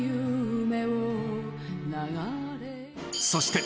そして